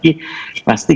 lebih baik maka